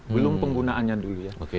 belum penggunaannya dulu ya